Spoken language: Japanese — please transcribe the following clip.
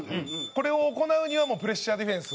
これを行うにはプレッシャーディフェンス。